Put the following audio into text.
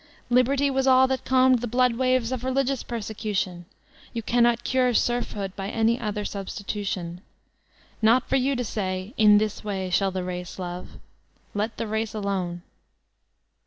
Liberty was all that calmed the blood waves of religious persecution! You cannot core serf hood by any other substitution. Not for you to say ''in this way shall the race love/' Let the race atone.